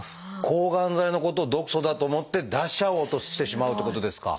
抗がん剤のことを毒素だと思って出しちゃおうとしてしまうってことですか。